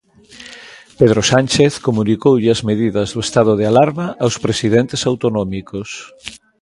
Pedro Sánchez comunicoulle as medidas do estado de alarma aos presidentes autonómicos.